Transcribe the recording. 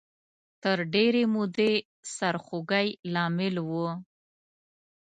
تر ډېرې مودې سرخوږۍ لامل و